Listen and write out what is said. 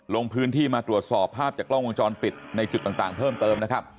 ลงพื้นที่มาตรวจสอบภาพจากกล้องวงจรปิดในจุดต่างเพิ่มเติมนะครับ